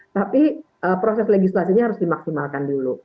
tapi proses legislasinya harus dimaksimalkan dulu